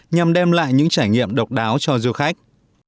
nhằm đem lại những trải nghiệm độc đáo cho du khách